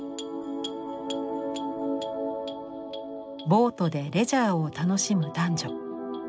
ボートでレジャーを楽しむ男女。